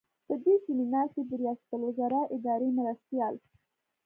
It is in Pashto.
په دې سمینار کې د ریاستالوزراء اداري مرستیال.